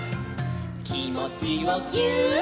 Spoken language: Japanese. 「きもちをぎゅーっ」